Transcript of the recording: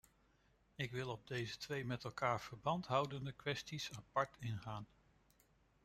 Ik wil op deze twee met elkaar verband houdende kwesties apart ingaan.